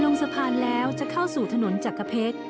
ลงสะพานแล้วจะเข้าสู่ถนนจักรเพชร